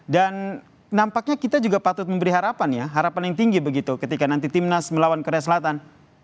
dan nampaknya kita juga patut memberi harapan ya harapan yang tinggi begitu ketika nanti tim nas melawan korea selatan